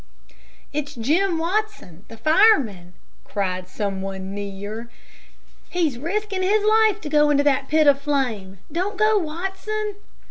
"It's Jim Watson, the fireman," cried some one near. "He's risking his life to go into that pit of flame. Don't go, Watson."